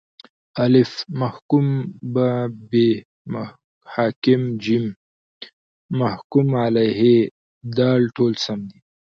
الف: محکوم به ب: حاکم ج: محکوم علیه د: ټوله سم دي